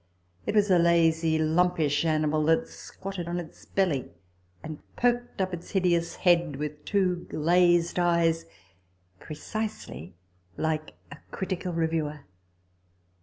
It was a lazy, lumpish animal, that squatted on its belly, TABLE TALK OF SAMUEL ROGERS 165 and perked up its hideous head with two glazed eyes, precisely like a Critical Reviewer.